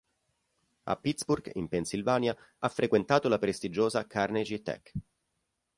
A Pittsburgh, in Pennsylvania, ha frequentato la prestigiosa Carnegie Tech.